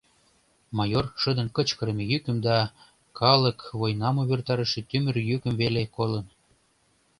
Майор шыдын кычкырыме йӱкым да калык войнам увертарыше тӱмыр йӱкым веле колын.